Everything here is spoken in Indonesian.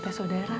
ya gak apa apa tuh